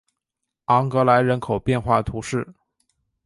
昂格莱人口变化图示